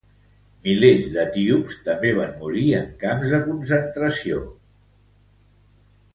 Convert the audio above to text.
Milers d'etíops també van morir en camps de concentració com Danane i Nocra.